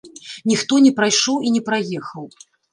Ніхто не прайшоў і не праехаў.